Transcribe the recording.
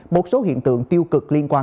một số hiện tượng tiêu cực liên quan